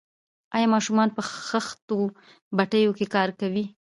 آیا ماشومان په خښتو بټیو کې کار کوي؟